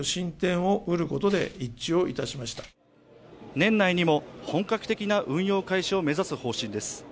年内にも本格的な運用開始を目指す方針です。